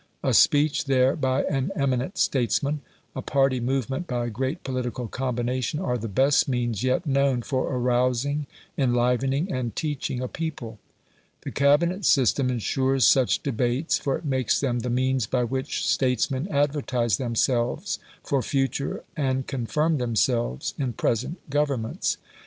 A speech there by an eminent statesman, a party movement by a great political combination, are the best means yet known for arousing, enlivening, and teaching a people. The Cabinet system ensures such debates, for it makes them the means by which statesmen advertise themselves for future and confirm themselves in present Governments.